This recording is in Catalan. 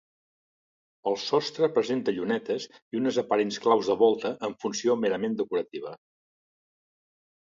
El sostre presenta llunetes i unes aparents claus de volta en funció merament decorativa.